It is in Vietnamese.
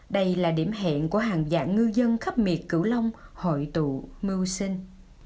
đây là điểm hẹn của hàng dạng ngư dân khắp miệt cửu long hội tụ mưu sinh